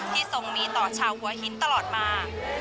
ทรงมีต่อชาวหัวหินตลอดมา